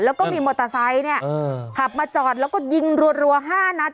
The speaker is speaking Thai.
แล้วก็มีมอเตอร์ไซค์เนี่ยขับมาจอดแล้วก็ยิงรัว๕นัด